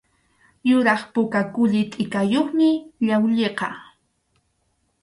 Yuraq puka kulli tʼikayuqmi llawlliqa.